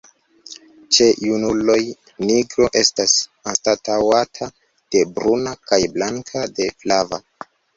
Ĉe junuloj nigro estas anstataŭata de bruna kaj blanka de flava.